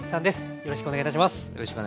よろしくお願いします。